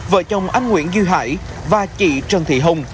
vợ chồng anh nguyễn du hải và chị trần thị hùng